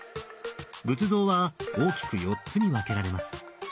仏像は大きく４つに分けられます。